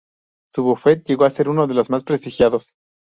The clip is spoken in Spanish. Su bufete llegó a ser uno de los más prestigiados.